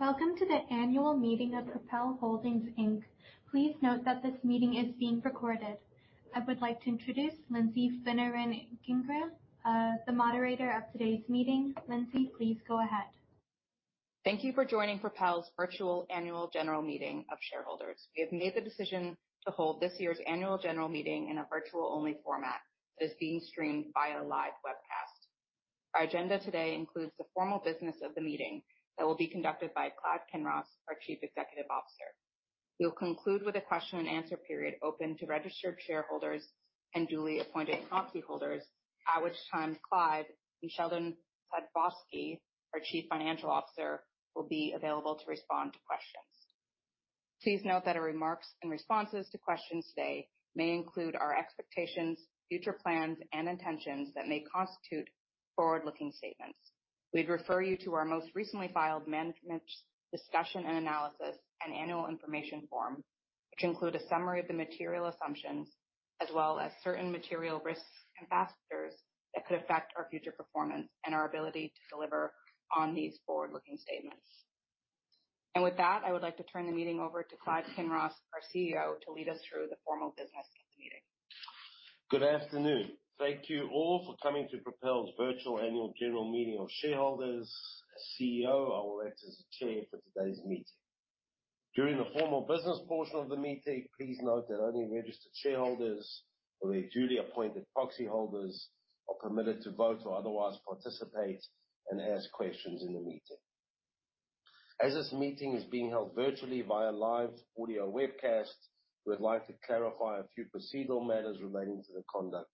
Welcome to the annual meeting of Propel Holdings, Inc. Please note that this meeting is being recorded. I would like to introduce Lindsay Finneran-Gingras, the moderator of today's meeting. Lindsay, please go ahead. Thank you for joining Propel's virtual annual general meeting of shareholders. We have made the decision to hold this year's annual general meeting in a virtual-only format that is being streamed via live webcast. Our agenda today includes the formal business of the meeting that will be conducted by Clive Kinross, our Chief Executive Officer. We'll conclude with a question and answer period open to registered shareholders and duly appointed proxy holders, at which time Clive and Sheldon Saidakovsky, our Chief Financial Officer, will be available to respond to questions. Please note that our remarks and responses to questions today may include our expectations, future plans, and intentions that may constitute forward-looking statements. We'd refer you to our most recently filed Management's Discussion and Analysis and Annual Information Form, which include a summary of the material assumptions as well as certain material risks and factors that could affect our future performance and our ability to deliver on these forward-looking statements. With that, I would like to turn the meeting over to Clive Kinross, our CEO, to lead us through the formal business of the meeting. Good afternoon. Thank you all for coming to Propel's virtual annual general meeting of shareholders. As CEO, I will act as chair for today's meeting. During the formal business portion of the meeting, please note that only registered shareholders or their duly appointed proxy holders are permitted to vote or otherwise participate and ask questions in the meeting. As this meeting is being held virtually via live audio webcast, we would like to clarify a few procedural matters relating to the conduct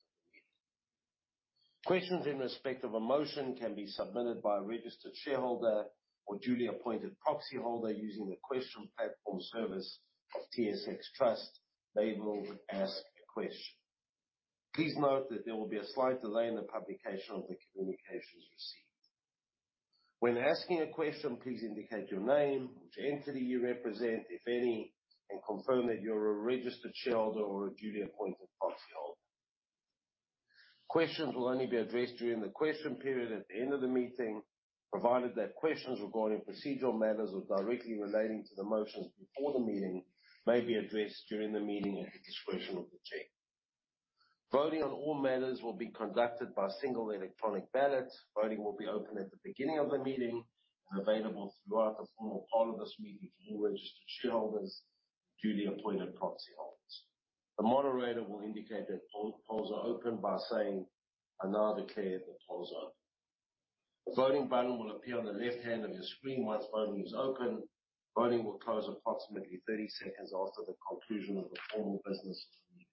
of the meeting. Questions in respect of a motion can be submitted by a registered shareholder or duly appointed proxy holder using the question platform service of TSX Trust, labeled "Ask a Question." Please note that there will be a slight delay in the publication of the communications received. When asking a question, please indicate your name, which entity you represent, if any, and confirm that you're a registered shareholder or a duly appointed proxy holder. Questions will only be addressed during the question period at the end of the meeting, provided that questions regarding procedural matters or directly relating to the motions before the meeting may be addressed during the meeting at the discretion of the chair. Voting on all matters will be conducted by single electronic ballot. Voting will be open at the beginning of the meeting and available throughout the formal part of this meeting to all registered shareholders and duly appointed proxy holders. The moderator will indicate that polls are open by saying, "I now declare the polls open." The voting button will appear on the left-hand of your screen once voting is open. Voting will close approximately 30 seconds after the conclusion of the formal business of the meeting.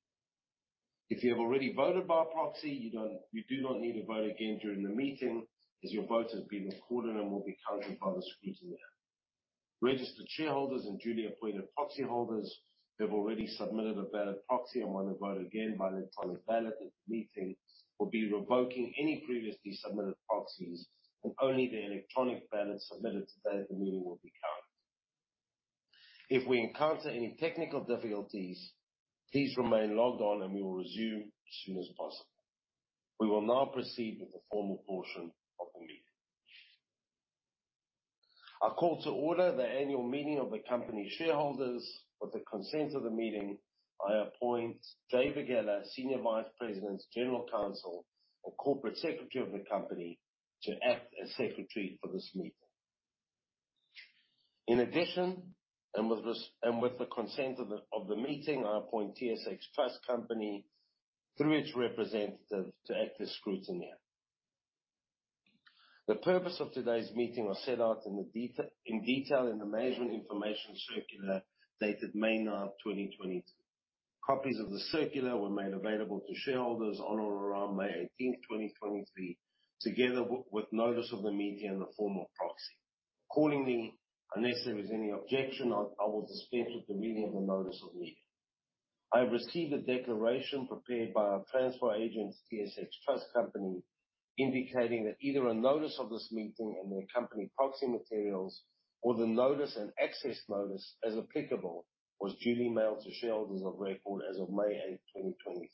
If you have already voted by proxy, you do not need to vote again during the meeting, as your vote has been recorded and will be counted by the scrutineer. Registered shareholders and duly appointed proxy holders who have already submitted a ballot proxy and want to vote again by the time the ballot at the meeting, will be revoking any previously submitted proxies, and only the electronic ballot submitted today at the meeting will be counted. If we encounter any technical difficulties, please remain logged on, and we will resume as soon as possible. We will now proceed with the formal portion of the meeting. I call to order the annual meeting of the company shareholders. With the consent of the meeting, I appoint Jay Vaghela, Senior Vice President, General Counsel, and Corporate Secretary of the company, to act as Secretary for this meeting. In addition, with the consent of the meeting, I appoint TSX Trust Company, through its representative, to act as scrutineer. The purpose of today's meeting was set out in detail in the Management Information Circular dated May 9, 2023. Copies of the circular were made available to shareholders on or around May 18, 2023, together with notice of the meeting and the formal proxy. Accordingly, unless there is any objection, I will dispense with the reading of the notice of meeting. I have received a declaration prepared by our transfer agent, TSX Trust Company, indicating that either a notice of this meeting and the accompanying proxy materials or the notice and access notice, as applicable, was duly mailed to shareholders of record as of May 8, 2023.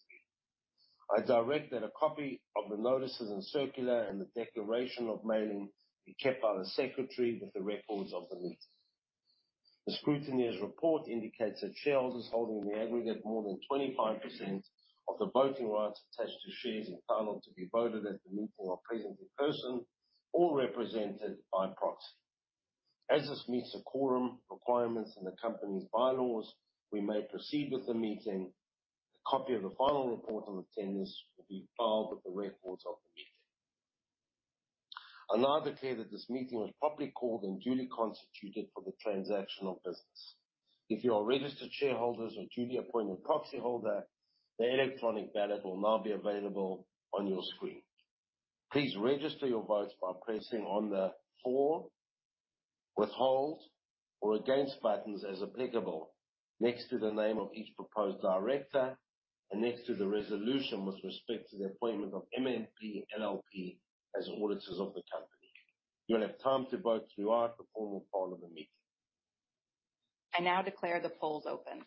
I direct that a copy of the notices and circular and the declaration of mailing be kept by the Secretary with the records of the meeting. The scrutineer's report indicates that shareholders holding in the aggregate more than 25% of the voting rights attached to shares entitled to be voted at the meeting are present in person or represented by proxy. As this meets the quorum requirements and the company's bylaws, we may proceed with the meeting. A copy of the final report on attendance will be filed with the records of the meeting. I now declare that this meeting is properly called and duly constituted for the transaction of business. If you are registered shareholders or duly appointed proxy holder, the electronic ballot will now be available on your screen. Please register your votes by pressing on the "for," "withhold," or "against" buttons, as applicable, next to the name of each proposed director and next to the resolution with respect to the appointment of MNP LLP as auditors of the company. You'll have time to vote throughout the formal part of the meeting. I now declare the polls open.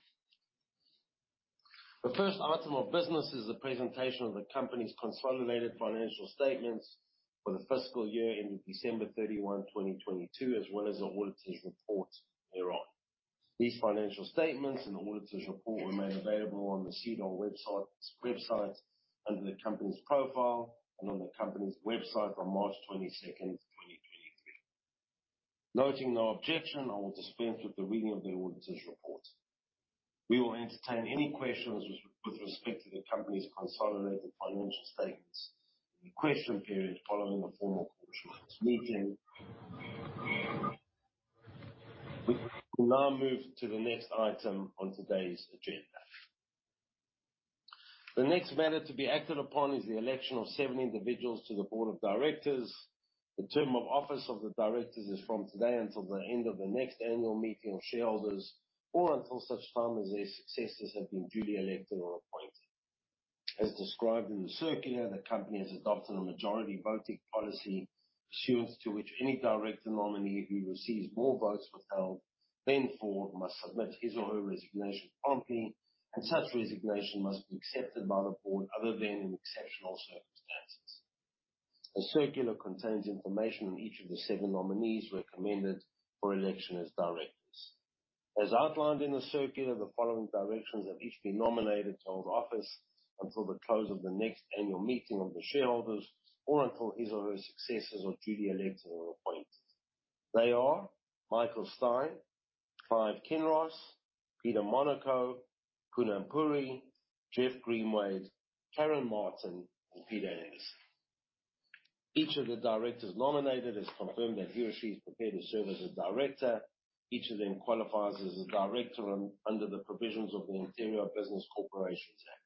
...The first item of business is the presentation of the company's consolidated financial statements for the fiscal year ending December 31, 2022, as well as the auditor's report thereon. These financial statements and auditor's report were made available on the SEDAR website under the company's profile and on the company's website on March 22nd, 2023. Noting no objection, I will dispense with the reading of the auditor's report. We will entertain any questions with respect to the company's consolidated financial statements in the question period following the formal portion of this meeting. We will now move to the next item on today's agenda. The next matter to be acted upon is the election of seven individuals to the board of directors. The term of office of the directors is from today until the end of the next annual meeting of shareholders, or until such time as their successors have been duly elected or appointed. As described in the circular, the company has adopted a majority voting policy, pursuant to which any director nominee who receives more votes withheld than for, must submit his or her resignation promptly, and such resignation must be accepted by the board, other than in exceptional circumstances. The circular contains information on each of the seven nominees recommended for election as directors. As outlined in the circular, the following directors have each been nominated to hold office until the close of the next annual meeting of the shareholders, or until his or her successors are duly elected or appointed. They are Michael Stein, Clive Kinross, Peter Monaco, Poonam Puri, Jeff Greenway, Karen Martin, and Peter Anderson. Each of the directors nominated has confirmed that he or she is prepared to serve as a director. Each of them qualifies as a director under the provisions of the Ontario Business Corporations Act.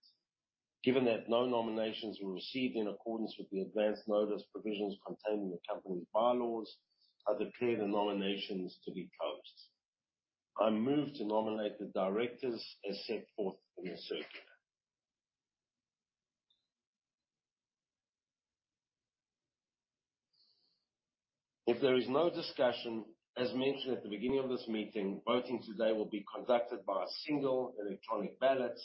Given that no nominations were received in accordance with the advanced notice provisions contained in the company's bylaws, I declare the nominations to be closed. I move to nominate the directors as set forth in the circular. If there is no discussion, as mentioned at the beginning of this meeting, voting today will be conducted by a single electronic ballot,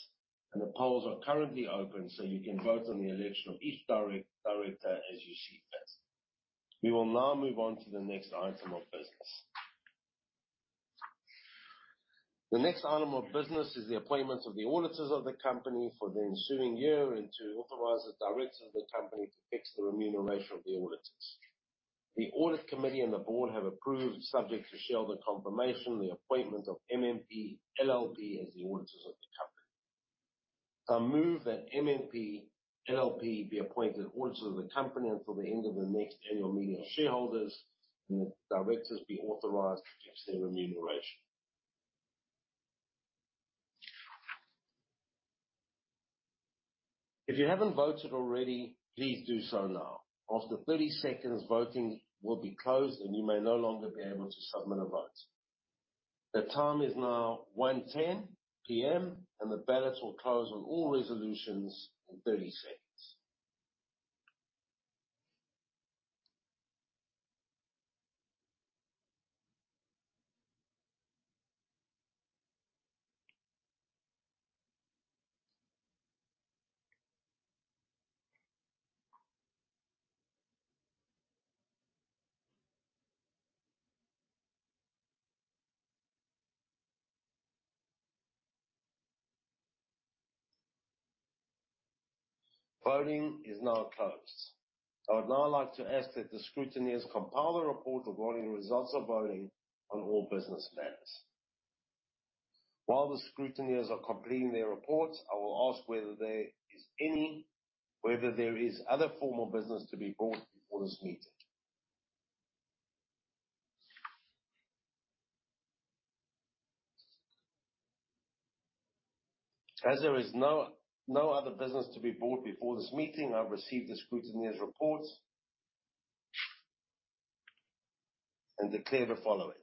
and the polls are currently open, so you can vote on the election of each director as you see fit. We will now move on to the next item of business. The next item of business is the appointment of the auditors of the company for the ensuing year and to authorize the directors of the company to fix the remuneration of the auditors. The audit committee and the board have approved, subject to shareholder confirmation, the appointment of MNP LLP as the auditors of the company. I move that MNP LLP be appointed auditor of the company until the end of the next annual meeting of shareholders, and the directors be authorized to fix their remuneration. If you haven't voted already, please do so now. After 30 seconds, voting will be closed, and you may no longer be able to submit a vote. The time is now 1:10PM., and the ballots will close on all resolutions in 30 seconds. Voting is now closed. I would now like to ask that the scrutineers compile a report of voting, results of voting on all business matters. While the scrutineers are completing their reports, I will ask whether there is other formal business to be brought before this meeting. As there is no other business to be brought before this meeting, I've received the scrutineers' reports and declare the following: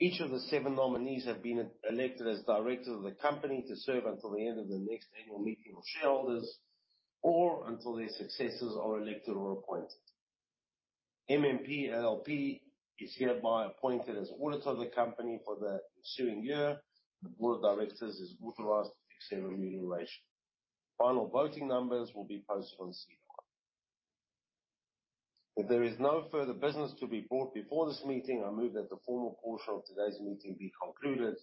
Each of the seven nominees have been elected as directors of the company to serve until the end of the next annual meeting of shareholders or until their successors are elected or appointed. MNP LLP is hereby appointed as auditor of the company for the ensuing year, and the board of directors is authorized to fix their remuneration. Final voting numbers will be posted on SEDAR. If there is no further business to be brought before this meeting, I move that the formal portion of today's meeting be concluded.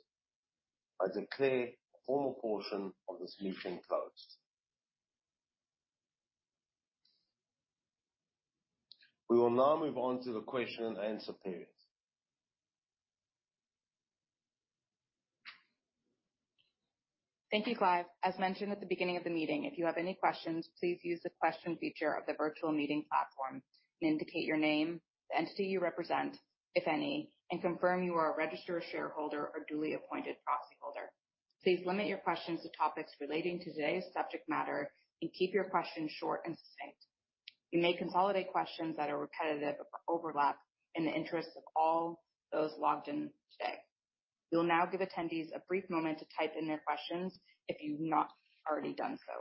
I declare the formal portion of this meeting closed. We will now move on to the question and answer period. Thank you, Clive. As mentioned at the beginning of the meeting, if you have any questions, please use the question feature of the virtual meeting platform and indicate your name, the entity you represent, if any, and confirm you are a registered shareholder or duly appointed proxyholder. Please limit your questions to topics relating to today's subject matter and keep your questions short and succinct. You may consolidate questions that are repetitive or overlap in the interest of all those logged in today. We'll now give attendees a brief moment to type in their questions if you've not already done so.